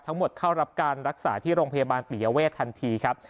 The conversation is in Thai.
ทั้งหมดเข้ารับการรักษาที่โรงพยาบาลปิยเวททันทีครับ